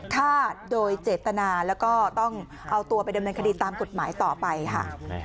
ฆ่าโดยเจตนาแล้วก็ต้องเอาตัวไปดำเนินคดีตามกฎหมายต่อไปค่ะ